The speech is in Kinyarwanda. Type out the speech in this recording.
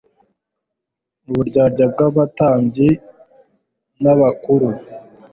uburyarya bw' abatambyi n' abakuru.